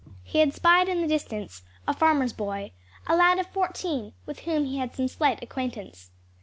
He had spied in the distance a farmer's boy, a lad of fourteen, with whom he had some slight acquaintance.